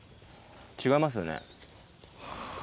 違いますよね？